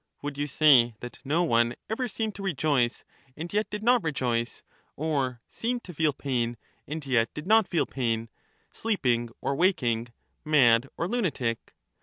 Would you say that no one ever seemed to rejoice and yet did not rejoice, or seemed to feel pain and yet did not feel pain, sleeping or waking, mad or lunatic